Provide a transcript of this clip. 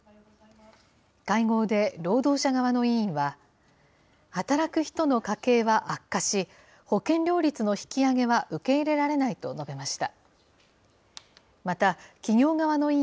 会合で労働者側の委員は、働く人の家計は悪化し、保険料率の引き上げは受け入れられないと述べました。